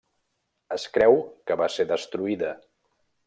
Es creu que va ser destruïda.